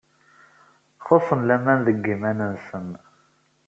Xuṣṣen laman deg yiman-nsen.